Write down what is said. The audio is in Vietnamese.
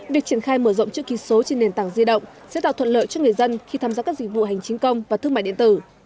việc triển khai mở rộng chữ ký số trên nền tảng di động sẽ tạo thuận lợi cho người dân khi tham gia các dịch vụ hành chính công và thương mại điện tử